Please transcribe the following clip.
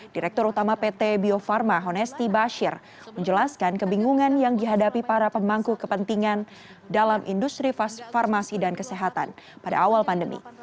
direktur utama pt bio farma honesty bashir menjelaskan kebingungan yang dihadapi para pemangku kepentingan dalam industri farmasi dan kesehatan pada awal pandemi